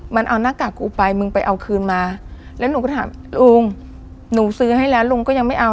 มันเอาหน้ากากกูไปมึงไปเอาคืนมาแล้วหนูก็ถามลุงหนูซื้อให้แล้วลุงก็ยังไม่เอา